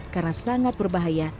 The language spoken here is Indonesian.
karena sangat berbahaya